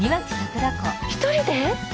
１人で？